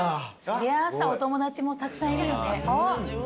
そりゃさお友達もたくさんいるよね。